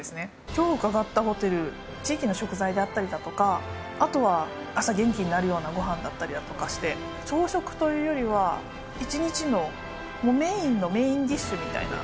きょう伺ったホテル、地域の食材であったりだとか、あとは、朝元気になるようなごはんだったりとかして、朝食というよりは、一日のメインのメインディッシュみたいな。